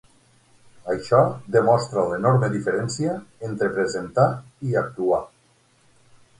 Això demostra l'enorme diferència entre presentar i actuar.